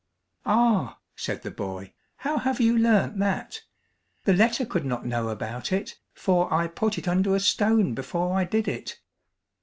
"Ah," said the boy, "how have you learnt that? The letter could not know about it, for I put it under a stone before I did it."